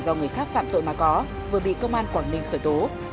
do người khác phạm tội mà có vừa bị công an quảng ninh khởi tố